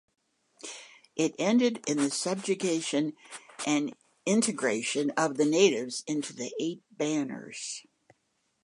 It ended in the subjugation and integration of the natives into the Eight Banners.